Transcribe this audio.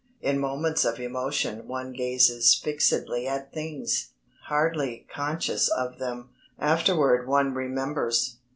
In moments of emotion one gazes fixedly at things, hardly conscious of them. Afterward one remembers.